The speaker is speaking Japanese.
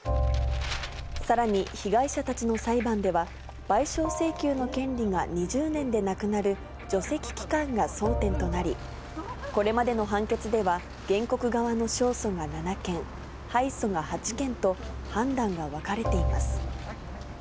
さらに被害者たちの裁判では、賠償請求の権利が２０年でなくなる除斥期間が争点となり、これまでの判決では、全国側の勝訴が７件、敗訴が８件と、判断が分かれています。